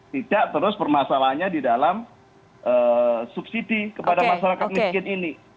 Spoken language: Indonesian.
tidak terus permasalahannya di dalam subsidi kepada masyarakat miskin ini